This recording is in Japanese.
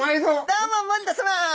どうも森田さま！